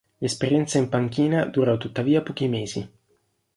L'esperienza in panchina durò tuttavia pochi mesi.